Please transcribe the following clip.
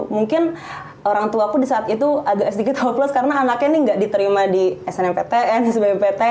mungkin orang tuaku di saat itu agak sedikit hopeless karena anaknya nih nggak diterima di snmptn sbmptn